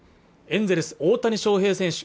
エンゼルス大谷翔平選手